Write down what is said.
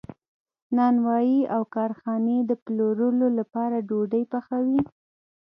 نانوایی او کارخانې د پلورلو لپاره ډوډۍ پخوي.